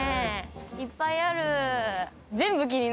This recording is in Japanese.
いっぱいある。